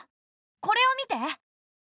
これを見て。